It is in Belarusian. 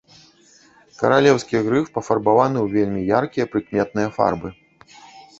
Каралеўскія грыф пафарбаваны ў вельмі яркія, прыкметныя фарбы.